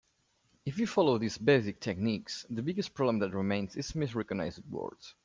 If you follow these basic techniques, the biggest problem that remains is misrecognized words.